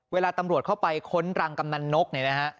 เวลาตำรวจเข้าไปค้นรังกำนันนกเนี่ยนะฮะ